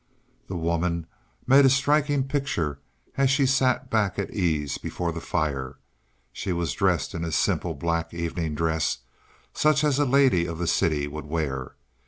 The woman made a striking picture as she sat back at ease before the fire. She was dressed in a simple black evening dress such as a lady of the city would wear.